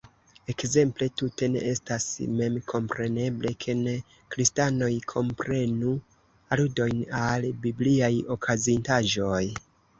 Ekzemple, tute ne estas memkompreneble, ke ne-kristanoj komprenu aludojn al bibliaj okazintaĵoj.